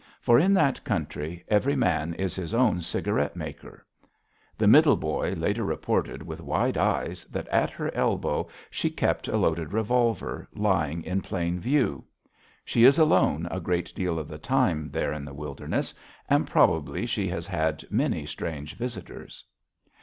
For in that country every man is his own cigarette maker. The Middle Boy later reported with wide eyes that at her elbow she kept a loaded revolver lying, in plain view. She is alone a great deal of the time there in the wilderness, and probably she has many strange visitors.